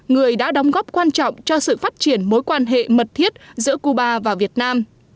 người đã đóng góp quan trọng cho sự phát triển mối quan hệ mật thiết giữa cuba và việt nam